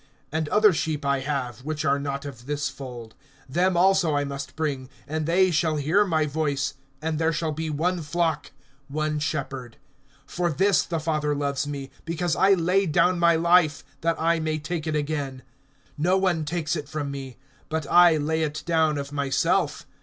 (16)And other sheep I have, which are not of this fold. Them also I must bring, and they shall hear my voice; and there shall be one flock, one shepherd. (17)For this the Father loves me, because I lay down my life, that I may take it again. (18)No one takes it from me, but I lay it down of myself.